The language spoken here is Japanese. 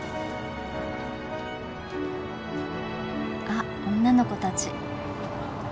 あっ女の子たち。